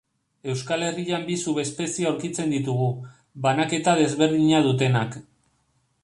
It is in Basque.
Euskal Herrian bi subespezie aurkitzen ditugu, banaketa desberdina dutenak.